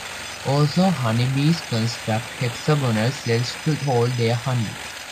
Also, honeybees construct hexagonal cells to hold their honey.